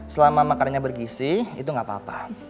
selama makanannya bergisi itu gak apa apa